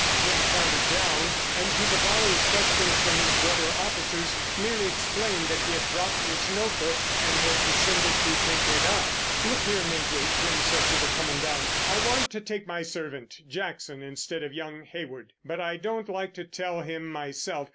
Jim clambered down, and to the volley of questions from his brother officers merely explained that he had dropped his note book, and had descended to pick it up. "Look here, Major," Jim said to the Commandant. "I want to take my servant, Jackson, instead of young Hayward, but I don't like to tell him myself.